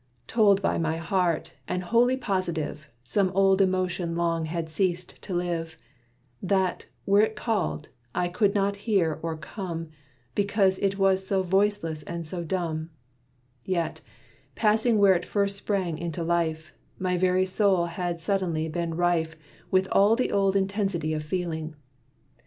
Told by my heart, and wholly positive, Some old emotion long had ceased to live; That, were it called, it could not hear or come, Because it was so voiceless and so dumb, Yet, passing where it first sprang into life, My very soul has suddenly been rife With all the old intensity of feeling.